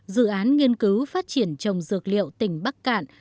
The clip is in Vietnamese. dự án nghiên cứu phát triển trồng dược liệu tỉnh bắc cạn